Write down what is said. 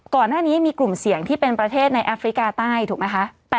ก่อนหน้านี้มีกลุ่มเสี่ยงที่เป็นประเทศในแอฟริกาใต้ถูกไหมคะ